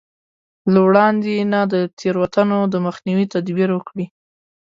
له وړاندې نه د تېروتنو د مخنيوي تدبير وکړي.